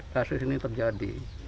kasus ini terjadi